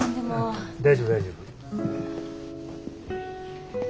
大丈夫大丈夫。